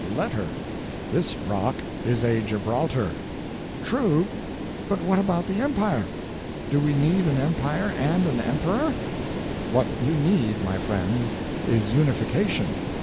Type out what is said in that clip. "Let her. This rock is a Gibraltar." "True. But about the empire? Do we need an empire and an emperor?" "What you need, my friends, is unification.